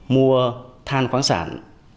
mua thàn quảng sản